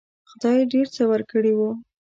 خدای ډېر څه ورکړي وو.